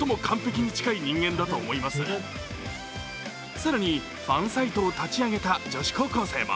更にファンサイトを立ち上げた女子高校生も。